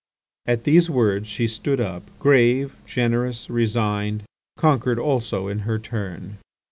At these words she stood up grave, generous, resigned, conquered also in her turn.